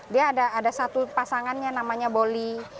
dia ada satu pasangannya namanya boli